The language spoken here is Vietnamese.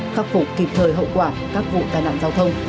khắc phục kịp thời hậu quả các vụ tai nạn giao thông